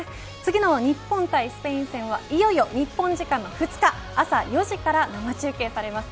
次の日本対スペイン戦はいよいよ日本時間２日朝４時から生中継されます。